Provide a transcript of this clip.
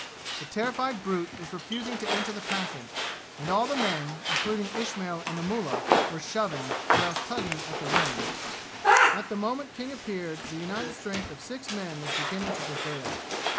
The terrified brute was refusing to enter the passage, and all the men, including Ismail and the mullah, were shoving, or else tugging at the reins. At the moment King appeared the united strength of six men was beginning to prevail.